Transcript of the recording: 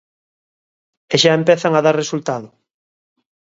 E xa empezan a dar resultado.